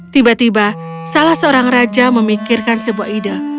tiba tiba salah seorang raja memikirkan sebuah ide